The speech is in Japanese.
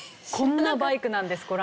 こんなバイクなんです。